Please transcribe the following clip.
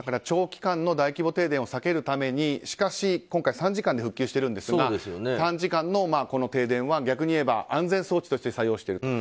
長期間の大規模停電を避けるために今回３時間で復旧しているんですが短時間のこの停電は逆に言えば安全装置として作用している。